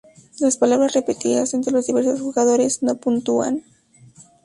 Las palabras repetidas entre los diversos jugadores no puntúan.